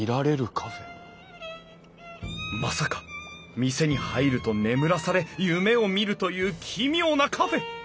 まさか店に入ると眠らされ夢を見るという奇妙なカフェ！？